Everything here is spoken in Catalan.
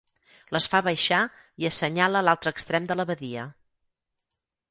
Les fa baixar i assenyala l'altre extrem de la badia.